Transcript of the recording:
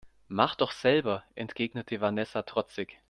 Mach doch selber, entgegnete Vanessa trotzig.